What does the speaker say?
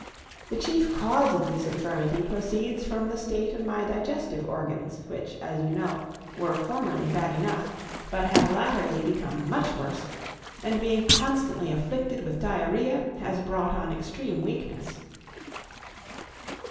The chief cause of this infirmity proceeds from the state of my digestive organs, which, as you know, were formerly bad enough, but have latterly become much worse, and being constantly afflicted with diarrhoea, has brought on extreme weakness.